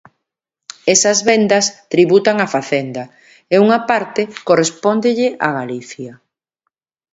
Esas vendas tributan a Facenda e unha parte correspóndelle a Galicia.